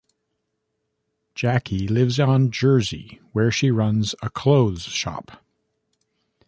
Jacquie lives on Jersey, where she runs a clothes shop.